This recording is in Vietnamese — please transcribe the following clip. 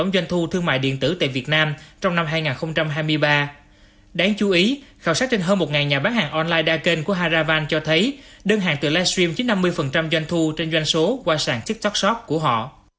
đơn hàng từ live stream chín trăm năm mươi doanh thu trên doanh số qua sàn tiktok shop của họ